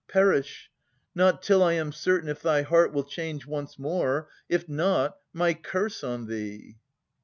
Perish, — not till I am certain if thy heart Will change once more,— if not, my curse on thee!